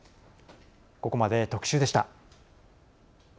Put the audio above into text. ここまで、特集でした。